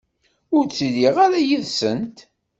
Ur ttiliɣ ara yid-sent.